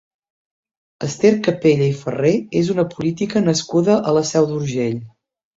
Ester Capella i Farré és una política nascuda a la Seu d'Urgell.